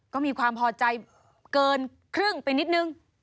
ก็มีความพอใจเกินครึ่งไปนิดนึง